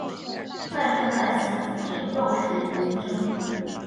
范正在其子年幼时已经身故。